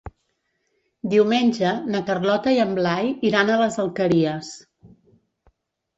Diumenge na Carlota i en Blai iran a les Alqueries.